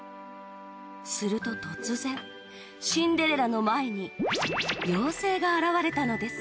すると突然シンデレラの前に妖精が現れたのです